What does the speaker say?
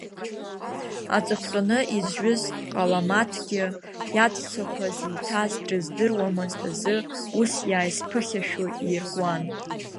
Аҵыхәтәаны изжәыз Ҟаламаҭгьы иаҵәцақәа зиҭаз дрыздыруамызт азы, ус иаазԥыхьашәо иркуан…